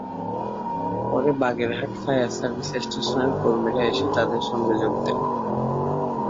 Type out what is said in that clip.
পরে Bagerhat fire service স্টেশনের কর্মীরা এসে তাদের সঙ্গে যোগ দেন।